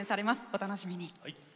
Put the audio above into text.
お楽しみに。